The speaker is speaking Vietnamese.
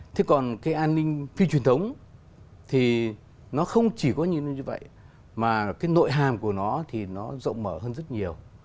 thế còn cái an ninh phi truyền thống thì nó không chỉ có như vậy mà cái nội hàm của nó thì nó rộng mở hơn rất nhiều